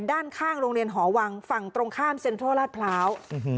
ด้านข้างโรงเรียนหอวังฝั่งตรงข้ามเซ็นทรัลลาดพร้าว